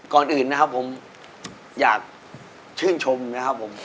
ก่อนอื่นนะครับผมอยากชื่นชมนะครับผม